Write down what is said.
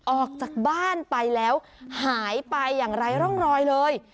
ออกจากบ้านไปแล้วหายไปอย่างไร้ร่องรอยเลย